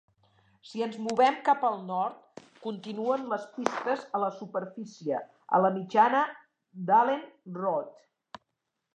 Si ens movem cap al nord, continuen les pistes a la superfície, a la mitjana d"Allen Road.